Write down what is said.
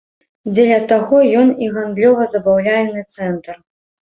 Дзеля таго ён і гандлёва-забаўляльны цэнтр.